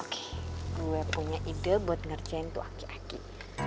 gue punya ide buat ngerjain tuh aki aki